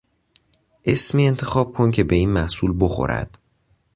اسمی انتخاب کن که به این محصول بخورد.